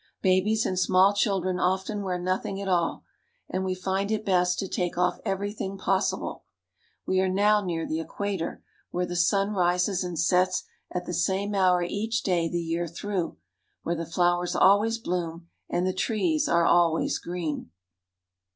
Babies and small children often wear nothing at all, and we find it best to take off everything possible. We CARP. ASIA — 13 2IO SINGAPORE AND THE MALAYS are now near the Equator, where the sun rises and sets at the same hour each day the year through, where the flowers always bloom and the trees are always green.